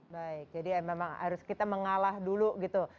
baik jadi memang harus kita mengalah dulu gitu